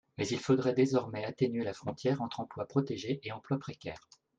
Mais il faudrait désormais atténuer la frontière entre emplois protégés et emplois précaires.